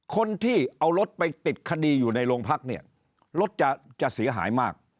คนที่เอารถไปติดคดีอยู่ในโรงพักเนี่ยรถจะเสียหายมาก